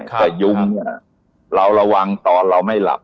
แต่ยุมเนี่ยเราระวังตอนเราไม่หลับ